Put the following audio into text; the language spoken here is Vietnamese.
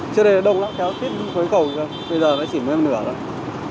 trước đây là đông lắm kéo tiếp khối cầu bây giờ nó chỉ mới nửa rồi